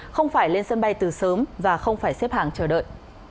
không phải lên sân bay từ sớm và không phải xếp hàng chờ đợi